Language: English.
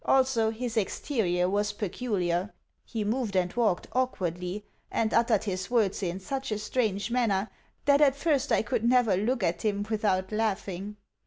Also, his exterior was peculiar he moved and walked awkwardly, and uttered his words in such a strange manner that at first I could never look at him without laughing.